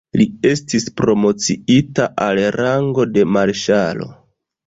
Li estis promociita al rango de marŝalo.